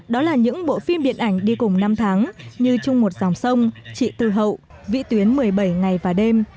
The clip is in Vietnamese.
đó là những bộ phim điện ảnh đi cùng năm tháng như chung một dòng sông chị tư hậu vĩ tuyến một mươi bảy ngày và đêm